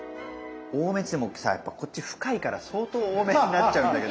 多めっていってもさやっぱこっち深いから相当多めになっちゃうんだけど。